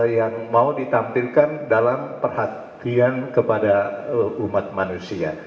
yang mau ditampilkan dalam perhatian kepada umat manusia